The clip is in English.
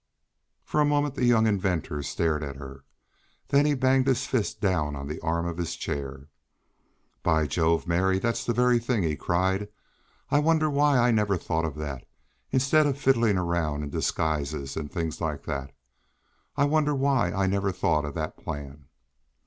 For a moment the young inventor stared at her. Then he banged his fist down on the arm of his chair. "By Jove, Mary! That's the very thing!" he cried. "I wonder why I never thought of that, instead of fiddling around in disguises, and things like that? I wonder why I never thought of that plan?"